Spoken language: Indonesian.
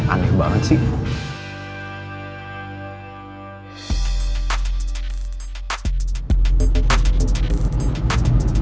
aneh banget sih